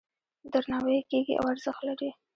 درناوی یې کیږي او ارزښت لري.